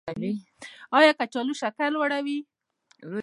ایا کچالو شکر لوړوي؟